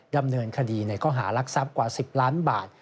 ดำเนินคดีในข้อหารักทรัพย์กว่า๑๐ล้านบาท